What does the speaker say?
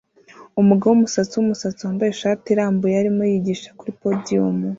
Umugabo wumusatsi wumusatsi wambaye ishati irambuye arimo yigisha kuri podium